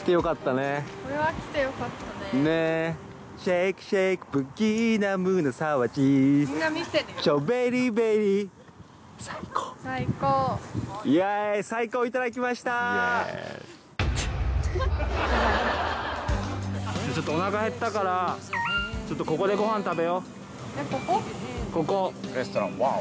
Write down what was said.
イエーイちょっとおなか減ったからちょっとここでご飯食べようえっ